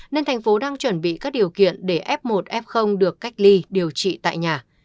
nên thành phố đang chuẩn bị các điều kiện để f một f được cách ly điều trị tại nhà